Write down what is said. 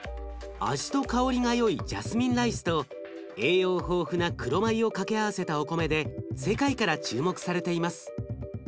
味と香りがよいジャスミンライスと栄養豊富な黒米を掛け合わせたお米で世界から注目されています。